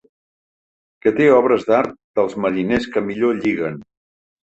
Que té obres d'art dels mariners que millor lliguen.